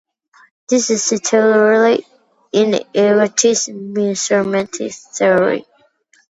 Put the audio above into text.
There is circularity in Everett's measurement theory.